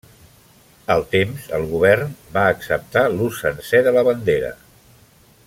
Al temps, el govern va acceptar l'ús sencer de la bandera.